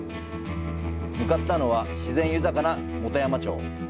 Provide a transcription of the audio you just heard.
向かったのは自然豊かな本山町。